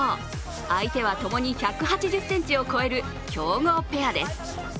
相手はともに１８０ｃｍを超える強豪ペアです。